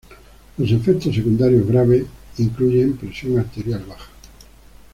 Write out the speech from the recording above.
Los efectos secundarios graves incluyen presión arterial baja.